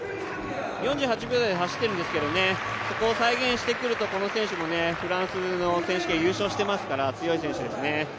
４８秒台で走っているんですけどそこを再現してくると、この選手もフランスの選手権優勝してますから強い選手ですね。